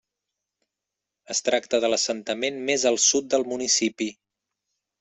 Es tracta de l'assentament més al sud del municipi.